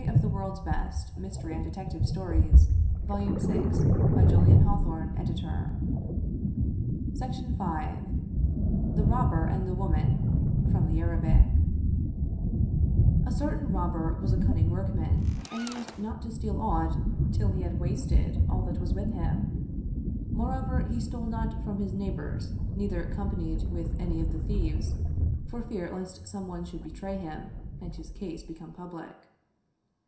All the world admired the caliph's sagacity and com mended his justice. 3^ Oriental Mystery Stories ' TAe Robber and the Woman From the Arabic A CERTAIN Robber was a cunning workman and used not to steal aught, till he had wasted all that was with him; moreover, he stole not from his neighbors, neither companied with any of the thieves, for fear lest some one should betray him, and his case become public.